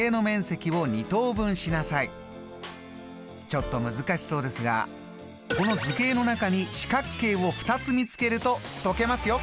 ちょっと難しそうですがこの図形の中に四角形を２つ見つけると解けますよ。